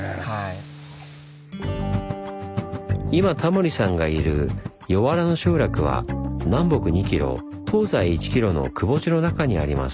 今タモリさんがいる江原の集落は南北２キロ東西１キロのくぼ地の中にあります。